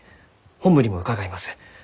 本部にも伺います。